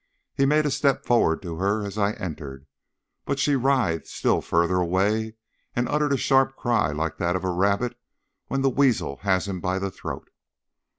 He made a step forward to her as I entered, but she writhed still further away, and uttered a sharp cry like that of a rabbit when the weasel has him by the throat.